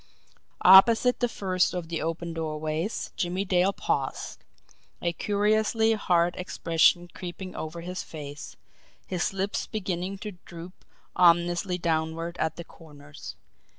Opposite the first of the open doorways Jimmie Dale paused a curiously hard expression creeping over his face, his lips beginning to droop ominously downward at the corners.